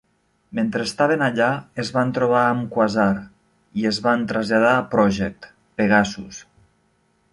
Mentre estaven allà, es van trobar amb Quasar i es van traslladar a Project: Pegasus.